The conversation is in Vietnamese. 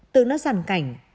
từ nó rằn cảnh